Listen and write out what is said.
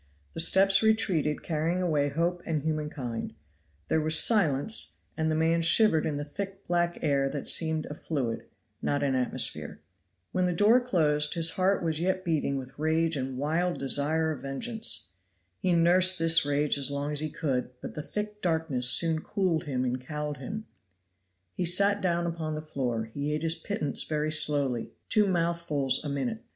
The steps retreated carrying away hope and human kind; there was silence, and the man shivered in the thick black air that seemed a fluid, not an atmosphere. When the door closed his heart was yet beating with rage and wild desire of vengeance. He nursed this rage as long as he could, but the thick darkness soon cooled him and cowed him. He sat down upon the floor, he ate his pittance very slowly, two mouthfuls a minute.